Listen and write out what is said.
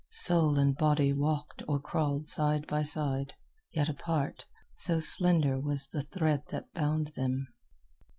Soul and body walked or crawled side by side, yet apart, so slender was the thread that bound them.